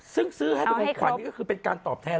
ซึ่งซื้อให้เป็นของขวัญนี่ก็คือเป็นการตอบแทน